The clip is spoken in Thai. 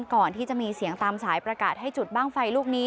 ก่อนที่จะมีเสียงตามสายประกาศให้จุดบ้างไฟลูกนี้